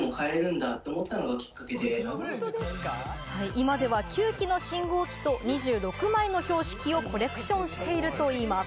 今では９基の信号機と２６枚の標識をコレクションしているといいます。